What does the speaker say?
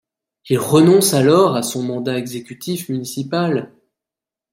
Il renonce alors à son mandat exécutif municipal.